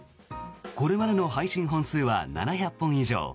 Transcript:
これまでの配信本数は７００本以上。